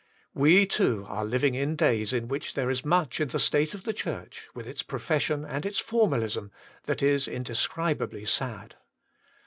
We, too, are living in days in which there is much in the state of the Church, with its profession and its formalism, that is indescribably sad.